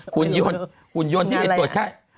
หุ่นยนต์หุ่นยนต์ที่ตรวจค่าย